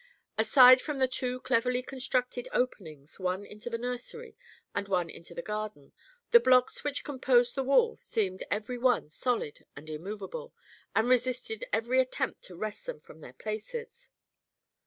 Aside from the two cleverly constructed openings—one into the nursery and one into the garden—the blocks which composed the wall seemed every one solid and immovable and resisted every attempt to wrest them from their places.